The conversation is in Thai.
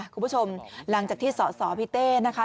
คุณผู้ชมหลังจากที่สอสอพี่เต้นะคะ